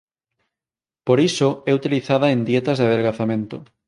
Por iso é utilizada en dietas de adelgazamento.